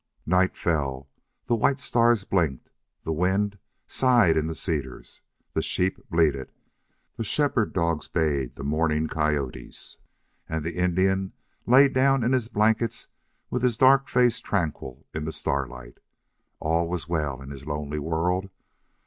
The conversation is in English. Night fell. The white stars blinked. The wind sighed in the cedars. The sheep bleated. The shepherd dogs bayed the mourning coyotes. And the Indian lay down in his blankets with his dark face tranquil in the starlight. All was well in his lonely world.